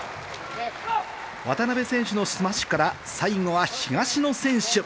渡辺選手のスマッシュから最後は東野選手。